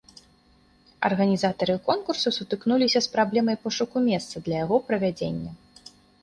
Арганізатары конкурсу сутыкнуліся з праблемай пошуку месца для яго правядзення.